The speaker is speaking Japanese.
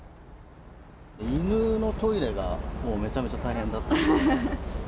犬のトイレが、もうめちゃめちゃ大変だったので。